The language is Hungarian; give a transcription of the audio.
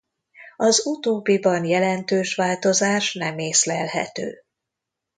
Az utóbbiban jelentős változás nem észlelhető.